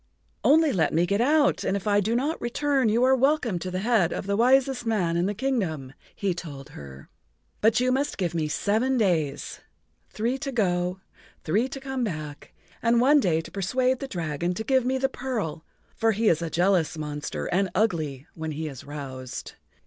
"Only let me get out, and if I do not return you are welcome to the head of the wisest man in the kingdom," he told her. "But you must give me seven days—three to go, three to come back, and one day to persuade the dragon to give me the pearl,[Pg 61] for he is a jealous monster and ugly when he is roused.